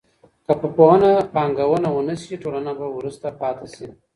که په پوهنه پانګونه ونه سي ټولنه به وروسته پاته سي.